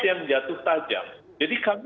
yang jatuh tajam jadi kami